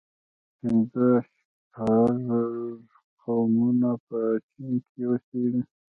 پنځوس شپږ قومونه په چين کې اوسيږي.